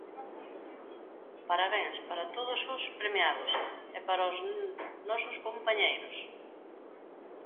Parabéns para todos os premiados e para os nosos compañeiros.